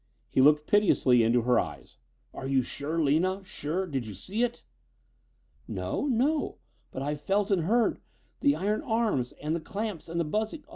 He looked piteously into her eyes. "Are you sure, Lina? Sure? Did you see it?" "No, no. But I felt and heard the iron arms and the clamps and the buzzing.